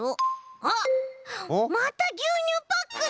あっまたぎゅうにゅうパックだ。